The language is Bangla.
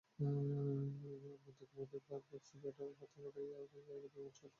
মতি কুমুদের বাগ ও বাক্স প্যাটরা হাতড়াইয়া দেখিয়া বলিল, মোটে সাত টাকা আছে।